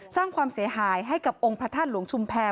สร้างความเสียหายให้กับองค์พระธาตุหลวงชุมแพร